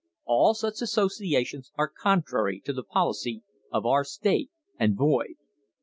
All such associ ations are contrary to the policy of our state and void.